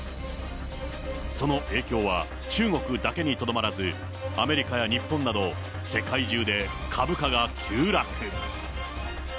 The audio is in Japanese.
その影響は、中国だけにとどまらず、アメリカや日本など、世界中で株価が急落。